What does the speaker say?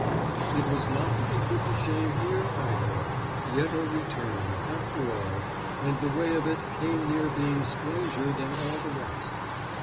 It was not to be put to shame here, either. Yette returned, after all, and the way of it came near being stranger than all the rest.